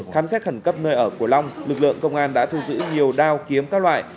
khám xét khẩn cấp nơi ở của long lực lượng công an đã thu giữ nhiều đao kiếm các loại